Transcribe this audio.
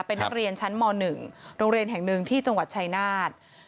เป็นนักเรียนชั้นม๑โรงเรียนแห่งหนึ่งที่จังหวัดชายนาฏ